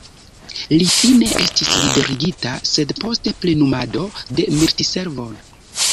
Li fine estis liberigita, sed post plenumado de militservo.